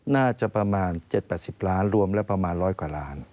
น่าจะประมาณ๗๘๐ล้านรวมแล้วประมาณ๑๐๐กว่าล้าน